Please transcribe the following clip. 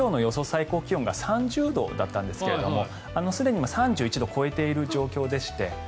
最高気温が３０度だったんですけれどもすでに３１度を超えている状況でして。